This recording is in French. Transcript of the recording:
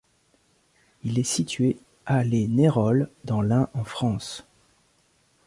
Il est situé à Les Neyrolles dans l'Ain, en France.